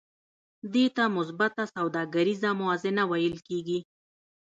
دې ته مثبته سوداګریزه موازنه ویل کېږي